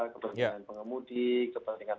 kepentingan pengemudi kepentingan